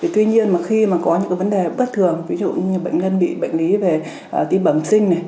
tuy nhiên khi có những vấn đề bất thường ví dụ như bệnh nhân bị bệnh lý về tim bẩm sinh